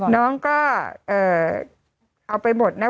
น้องก็เอาไปหมดนะ